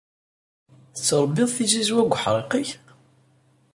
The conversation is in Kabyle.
Tettṛebbiḍ tizizwa deg uḥṛiq-ik?